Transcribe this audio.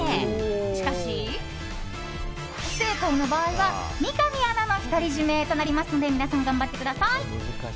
しかし不正解の場合は三上アナの独り占めとなりますので皆さん、頑張ってください。